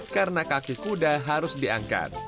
karena kaki kuda harus diangkat